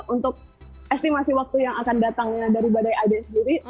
untuk estimasi waktu yang akan datangnya dari badai ade sendiri